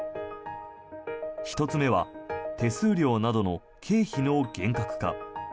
１つ目は手数料などの経費の厳格化。